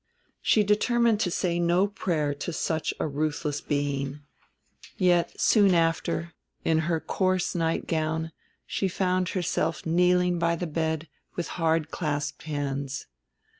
She determined to say no prayer to such a ruthless Being; yet, soon after, in her coarse nightgown, she found herself kneeling by the bed with hard clasped hands.